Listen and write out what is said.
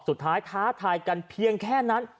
สุดท้ายท้าทายกันเพียงแค่นั้น